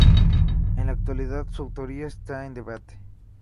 En la actualidad, su autoría está en debate.